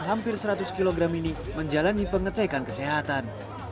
hampir seratus kg ini menjalani pengecekan kesehatan